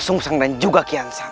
sung sang dan juga kian sang